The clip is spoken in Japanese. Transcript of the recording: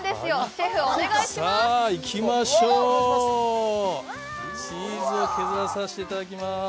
シェフお願いしますさあいきましょうチーズを削らさせていただきます